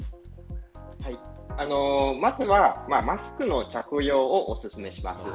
まずはマスクの着用をおすすめします。